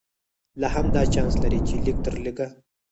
لا هم دا چانس لري چې لږ تر لږه.